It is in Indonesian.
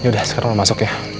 yaudah sekarang lo masuk ya